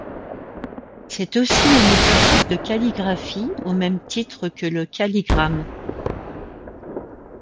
C'est aussi un exercice de calligraphie au même titre que le calligramme.